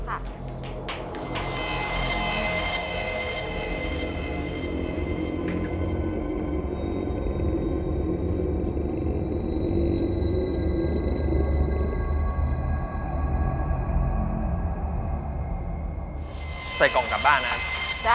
พัดซีอิ๊วเส้นใหญ่ครับ